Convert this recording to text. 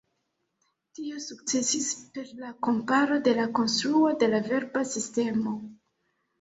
Tio sukcesis per la komparo de la konstruo de la verba sistemo.